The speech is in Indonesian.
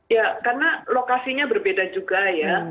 ya karena lokasinya berbeda juga ya